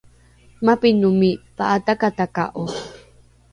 mapinomi pa’atakataka’o?